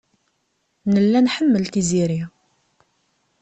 Nella nḥemmel Tiziri.